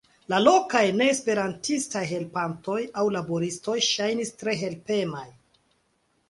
La lokaj neesperantistaj helpantoj aŭ laboristoj ŝajnis tre helpemaj.